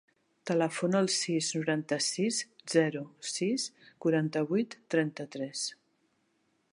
Telefona al sis, noranta-sis, zero, sis, quaranta-vuit, trenta-tres.